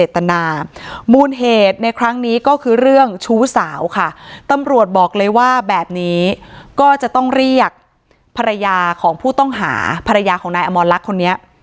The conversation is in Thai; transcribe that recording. ตำรวจบอกเลยว่าแบบนี้ก็จะต้องเรียกภรรยาของผู้ต้องหาภรรยาของนายอมรลักษณ์คนนี้